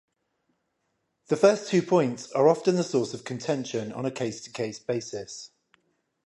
The first two points are often the source of contention on a case-to-case basis.